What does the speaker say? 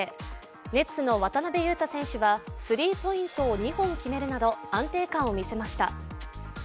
ネッツの渡邊雄太選手はスリーポイントシュートを２本決めるなど安定感を見せました。